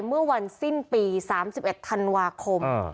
เมื่อวันสิ้นปี๓๑ธันวาคม